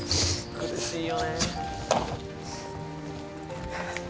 ・苦しいよね